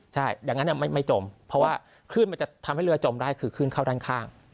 ใช่อย่างนั้นไม่จมเพราะว่าคลื่นมันจะทำให้เรือจมได้คือขึ้นเข้าด้านข้าง